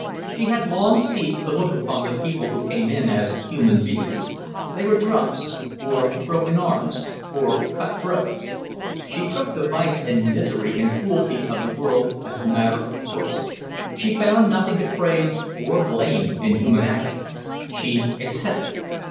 She had long ceased to look upon the people who came in as human beings; they were drunks, or broken arms, or cut throats. She took the vice and misery and cruelty of the world as a matter of course; she found nothing to praise or blame in human actions: she accepted.